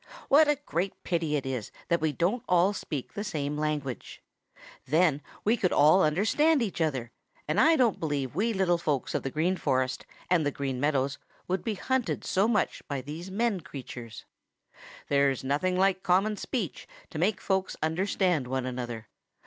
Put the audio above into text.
What a great pity it is that we don't all speak the same language. Then we would all understand each other, and I don't believe we little folks of the Green Forest and the Green Meadows would be hunted so much by these men creatures. There's nothing like common speech to make folks understand one another.